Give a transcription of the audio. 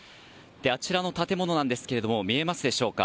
あちらの建物ですが見えますでしょうか。